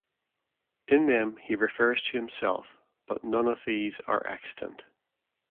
In them he refers to himself, but none of these are extant.